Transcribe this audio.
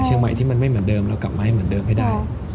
เชียงใหม่ที่มันไม่เหมือนเดิมเรากลับมาให้เหมือนเดิมให้ได้